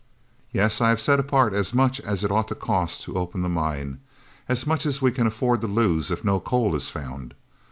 "Yes, I have set apart as much as it ought to cost to open the mine, as much as we can afford to lose if no coal is found.